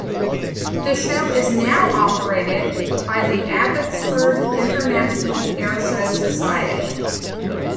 The show is now operated by the Abbotsford International Airshow Society.